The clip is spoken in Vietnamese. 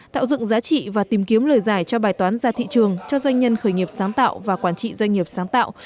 tạo dựng giá trị và tìm kiếm lời giải cho bài toán ra thị trường cho doanh nhân khởi nghiệp sáng tạo và quản trị doanh nghiệp sáng tạo